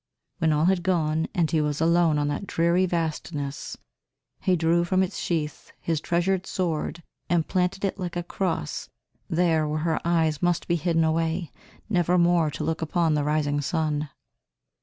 When all had gone and he was alone on that dreary vastness, he drew from its sheath his treasured sword and planted it like a cross, there where her eyes must be hidden away, never more to look upon the rising sun.